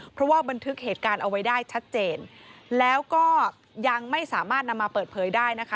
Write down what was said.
เพราะว่าบันทึกเหตุการณ์เอาไว้ได้ชัดเจนแล้วก็ยังไม่สามารถนำมาเปิดเผยได้นะคะ